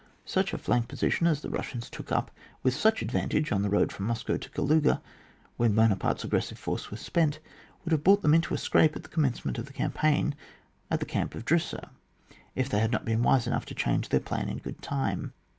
163 Such a flank position as the Bussians took up with such advantage on the road from Moscow to Kaluga, when Buona parte's aggressive force was spent, would have brought them into a scrape at the commencement of the campaign at the camp of Drissa, if they had not been wise enough to change their plan in good time.